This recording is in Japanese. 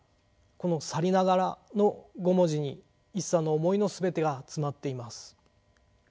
この「さりながら」の五文字に一茶の思いの全てが詰まっています。